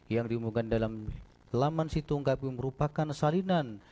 yang diumumkan dalam laman situng kpu merupakan salinan